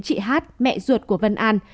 chị hát mẹ ruột của vân an